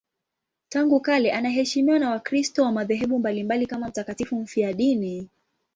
Tangu kale anaheshimiwa na Wakristo wa madhehebu mbalimbali kama mtakatifu mfiadini.